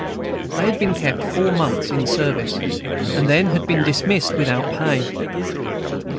They had been kept four months in service, and then had been dismissed without pay.